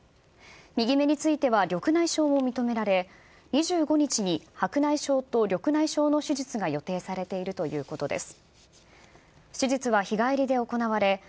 右目については緑内障を認められ、２５日に白内障と緑内障の手術が予定されているということです。